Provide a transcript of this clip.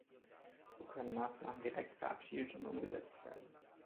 So können Maßnahmen direkt verabschiedet und umgesetzt werden.